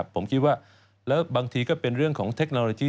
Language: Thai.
ผมคิดว่าแล้วบางทีก็เป็นเรื่องของเทคโนโลยี